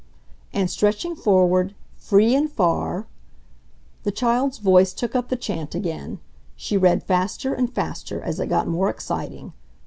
And stretching forward, free and far, The child's voice took up the chant again. She read faster and faster as it got more exciting.